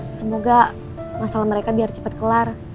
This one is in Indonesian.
semoga masalah mereka biar cepat kelar